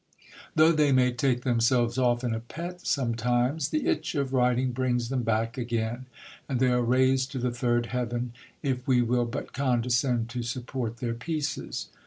Though they may take themselves off in a pet sometimes, the itch of writing brings them back again ; and they are raised to the third heaven^ if we will but condescend to support their pieces.